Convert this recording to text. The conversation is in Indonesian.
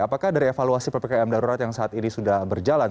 apakah dari evaluasi ppkm darurat yang saat ini sudah berjalan